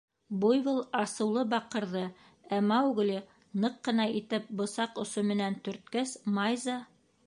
— Буйвол асыулы баҡырҙы, ә Маугли ныҡ ҡына итеп бысаҡ осо менән төрткәс, Майза: